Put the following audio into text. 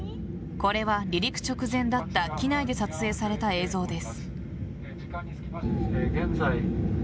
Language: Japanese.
これは離陸直前だった機内で撮影された映像です。